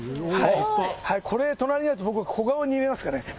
これ、隣にあると僕、小顔に見えますかね。